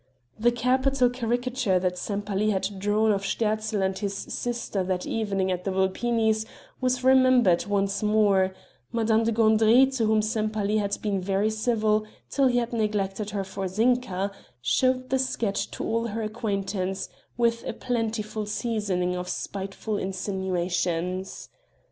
The capital caricature that Sempaly had drawn of Sterzl and his sister that evening at the Vulpinis' was remembered once more; Madame de Gandry, to whom Sempaly had been very civil till he had neglected her for Zinka, showed the sketch to all her acquaintance, with a plentiful seasoning of spiteful insinuations.